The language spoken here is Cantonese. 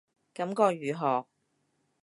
感覺如何